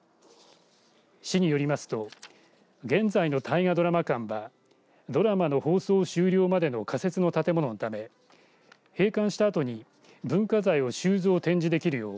市によりますと現在の大河ドラマ館はドラマの放送終了までの仮設の建物のため閉館したあとに文化財を収蔵、展示できるよう